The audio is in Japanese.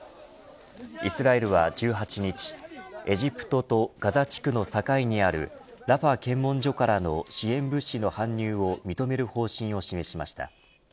イスラエルは１８日エジプトとガザ地区の境にあるラファ検問所からの支援物資の搬入を認める方針を示しました。